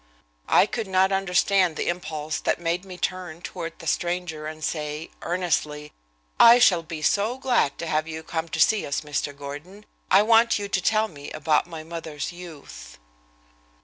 I could not understand the impulse that made me turn toward the stranger and say, earnestly: "I shall be so glad to have you come to see us, Mr. Gordon. I want you to tell me about my mother's youth."